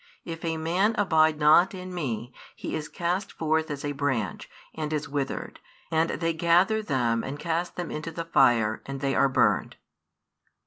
If a man abide not in Me, he is cast forth as a branch, and is withered; and they gather them, and cast them into the fire, and they are burned.